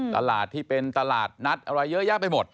ตลาดที่เป็นตลาดนัดอะไรเยอะแยะไปหมด